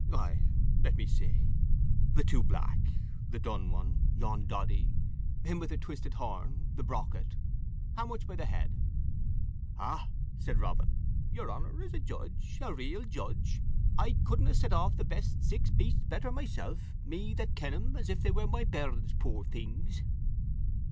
"Why, let me see the two black the dun one yon doddy him with the twisted horn the brockit. How much by the head?" "Ah," said Robin, "your honour is a shudge a real shudge: I couldna have set off the pest six peasts petter mysell, me that ken them as if they were my pairns, puir things."